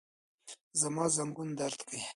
زما زنګون درد کوي